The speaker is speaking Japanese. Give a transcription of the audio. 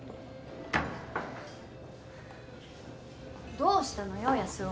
どうしたのよ安生。